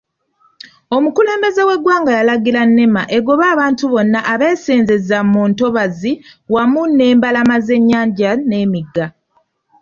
Omukulembeze w'eggwanga yalagira Nema egobe abantu bonna abeesenzezza mu ntobazi wamu n'embalama z'ennyanja n'emigga.